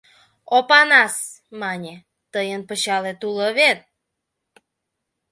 — Опанас, — мане, — тыйын пычалет уло вет?